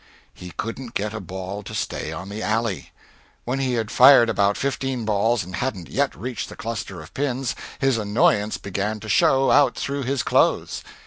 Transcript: He couldn't get a ball to stay on the alley. When he had fired about fifteen balls and hadn't yet reached the cluster of pins, his annoyance began to show out through his clothes.